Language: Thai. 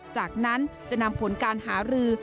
จากนั้นจะนำผลการหารือ